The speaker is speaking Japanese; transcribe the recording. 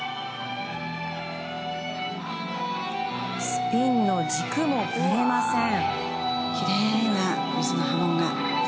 スピンの軸もぶれません。